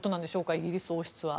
イギリス王室は。